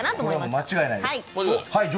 間違いないです。